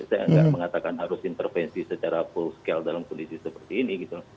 saya nggak mengatakan harus intervensi secara full scale dalam kondisi seperti ini gitu